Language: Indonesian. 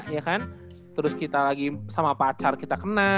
ya kan terus kita lagi sama pacar kita kena